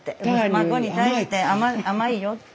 孫に対して甘いよって。